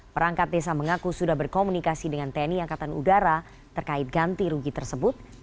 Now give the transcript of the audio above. perangkat desa mengaku sudah berkomunikasi dengan tni angkatan udara terkait ganti rugi tersebut